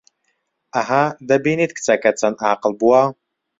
ئەها، دەبینیت کچەکەت چەند ئاقڵ بووە